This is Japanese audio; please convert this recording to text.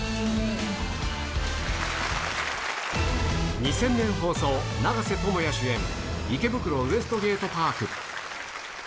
２０００年放送、長瀬智也主演、池袋ウエストゲートパーク。